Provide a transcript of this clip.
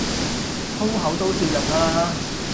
粗口都照入啦